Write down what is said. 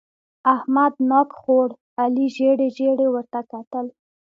احمد ناک خوړ؛ علي ژېړې ژېړې ورته کتل.